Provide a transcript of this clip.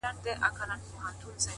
درته دعاوي هر ماښام كومه;